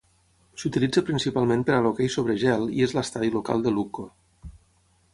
S'utilitza principalment per a l'hoquei sobre gel i és l'estadi local de Lukko.